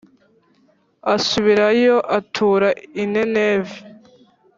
asubirayo atura i Nineve